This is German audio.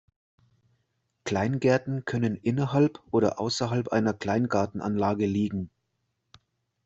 Kleingärten können innerhalb oder außerhalb einer Kleingartenanlage liegen.